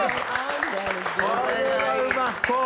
これはうまそう。